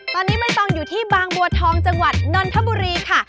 ตอนนี้ใบตองอยู่ที่บางบัวทองจังหวัดนนทบุรีค่ะ